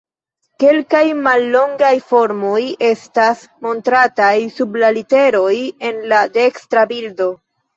Kelkaj mallongaj formoj estas montrataj sub la literoj en la dekstra bildo.